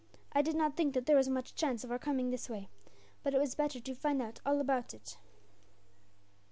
I did not think that there was much chance of our coming this way, but it was better to find out all about it."